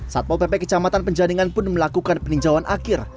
satpol pp kecamatan penjaringan pun melakukan peninjauan akhir